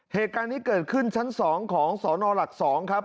เหตุการณ์นี้เกิดขึ้นชั้น๒ของสนหลัก๒ครับ